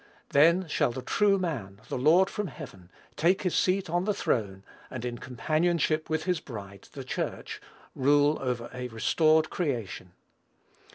Then shall the True Man, the Lord from heaven, take his seat on the throne, and, in companionship with his bride, the Church, rule over a restored creation.